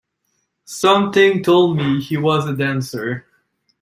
Something told me he was a dancer.